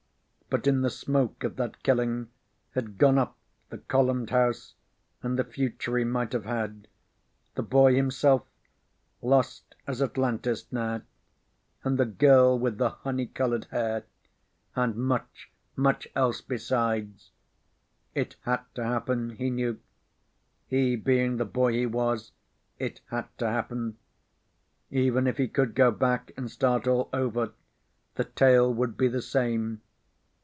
But in the smoke of that killing had gone up the columned house and the future he might have had, the boy himself lost as Atlantis now and the girl with the honey colored hair and much, much else besides. It had to happen, he knew. He being the boy he was, it had to happen. Even if he could go back and start all over, the tale would be the same.